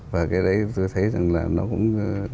và cái đấy tôi thấy rằng là nó cũng